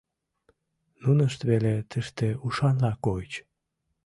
Нунышт веле тыште ушанла койыч.